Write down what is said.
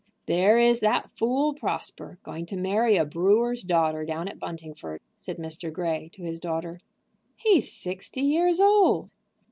"There is that fool Prosper going to marry a brewer's daughter down at Buntingford," said Mr. Grey to his daughter. "He's sixty years old."